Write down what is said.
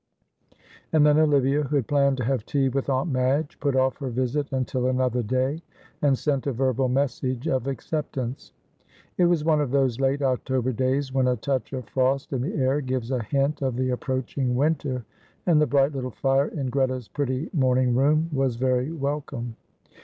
And then Olivia, who had planned to have tea with Aunt Madge, put off her visit until another day, and sent a verbal message of acceptance. It was one of those late October days, when a touch of frost in the air gives a hint of the approaching winter, and the bright little fire in Greta's pretty morning room was very welcome.